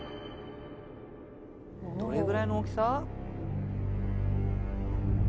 どれぐらいの大きさ？